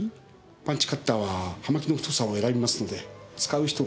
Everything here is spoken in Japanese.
パンチカッターは葉巻の太さを選びますので使う人が少ないんです。